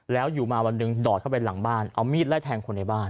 แล้วอยู่มาวันหนึ่งดอดเข้าไปหลังบ้านเอามีดไล่แทงคนในบ้าน